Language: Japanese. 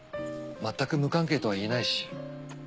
まったく無関係とは言えないし。